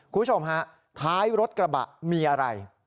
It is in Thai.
คุณผู้ชมฮะท้ายรถกระบะมีอะไร